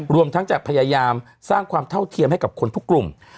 รวมทั้งจะพยายามสร้างความเท่าเทียมให้กับคนทุกกลุ่ม